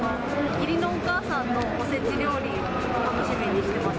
義理のお母さんのおせち料理を楽しみにしてます。